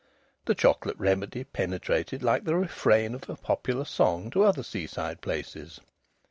The Chocolate Remedy penetrated like the refrain of a popular song to other seaside places.